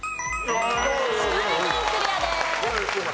島根県クリアです。